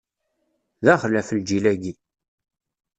D axlaf, lǧil-agi!